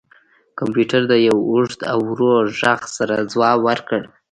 کمپیوټر د یو اوږد او ورو غږ سره ځواب ورکړ